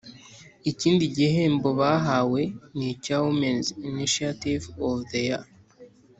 Ikindi gihembo bahawe ni icya Women’s initiative of the Year